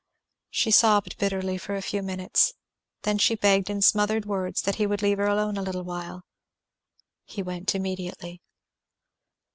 She sobbed bitterly for a few minutes. Then she begged in smothered words that he would leave her alone a little while. He went immediately.